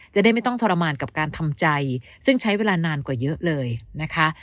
จะได้ไม่ต้องทรมานกับการทำใจซึ่งใช้เวลานานกว่าเยอะเลยนะคะ